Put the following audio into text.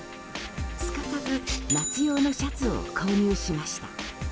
すかさず、夏用のシャツを購入しました。